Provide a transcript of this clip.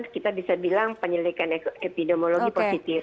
kita bisa bilang penyelidikan epidemiologi positif